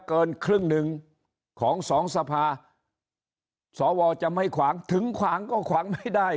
เกินครึ่งหนึ่งของสองสภาสวจะไม่ขวางถึงขวางก็ขวางไม่ได้